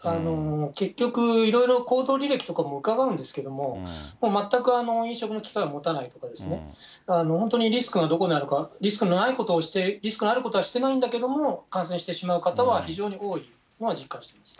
結局、いろいろ行動履歴とかも伺うんですけれども、全く飲食の機会を持たないとかですね、本当にリスクがどこにあるか、リスクのないことをして、リスクのあることはしてないんだけど、感染してしまう方は非常に多いというのは実感してます。